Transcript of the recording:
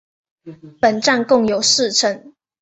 本站共有四层。